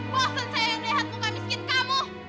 puasan saya yang dehat bukan miskin kamu